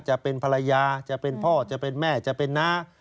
จะเป็นภรรยาจะเป็นพ่อจะเป็นแม่จะเป็นน้า